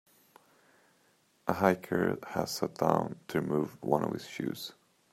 A hiker has sat down to remove one of his shoes.